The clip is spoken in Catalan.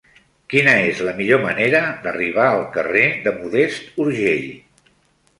Quina és la millor manera d'arribar al carrer de Modest Urgell?